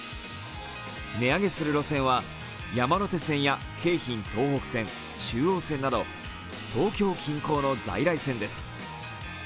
値上げする路線は山手線や京浜東北線、中央線など東京近郊の在来線です。